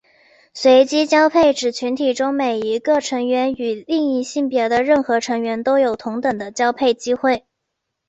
随机交配指群体中每一个成员与另一性别的任何成员都有同等的交配机会。